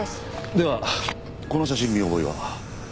ではこの写真に見覚えは？